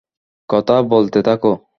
কথা বলতে থাকো।